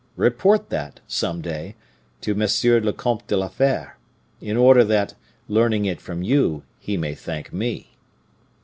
Report that, some day, to M. le Comte de la Fere, in order that, learning it from you, he may thank me.